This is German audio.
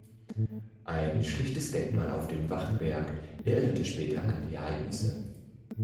Ein schlichtes Denkmal auf dem Wachtberg erinnerte später an die Ereignisse.